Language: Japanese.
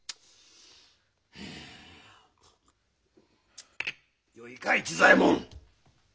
はあよいか市左衛門。